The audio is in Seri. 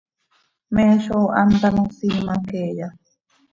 ¿Me zó hant ano siima queeya?